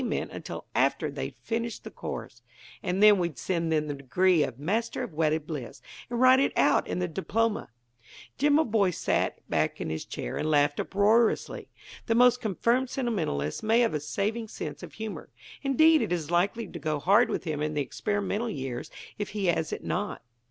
meant until after they'd finished the course, and then we'd send them the degree of 'Master of Wedded Bliss,' and write it out in the diploma." Jimaboy sat back in his chair and laughed uproariously. The most confirmed sentimentalist may have a saving sense of humor. Indeed, it is likely to go hard with him in the experimental years, if he has it not.